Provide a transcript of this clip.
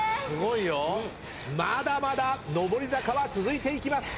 まだまだ上り坂は続いていきます。